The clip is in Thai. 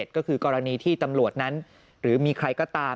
ก็คือกรณีที่ตำรวจนั้นหรือมีใครก็ตาม